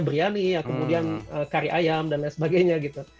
briani kemudian kari ayam dan lain sebagainya gitu